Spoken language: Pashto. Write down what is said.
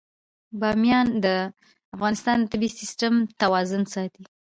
بامیان د افغانستان د طبعي سیسټم توازن ساتي.